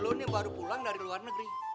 lo ini baru pulang dari luar negeri